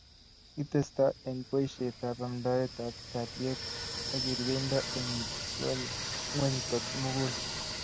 kitestai eng' boisietab amdaetab kalyet ak kerkeindo eng' ng'ony ko mugul